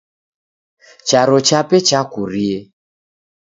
Charo chape chakurie.